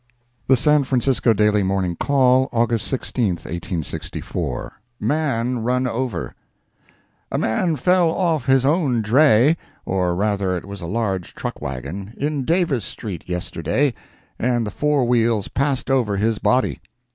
THE SAN FRANCISCO MORNING CALL, AUGUST 16, 1864 MAN RUN OVER A man fell off his own dray—or rather it was a large truck wagon—in Davis street, yesterday, and the fore wheels passed over his body.